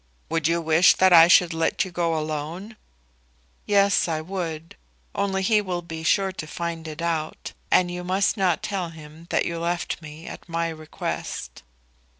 "Would you wish that I should let you go alone?" "Yes, I would. Only he will be sure to find it out; and you must not tell him that you left me at my request."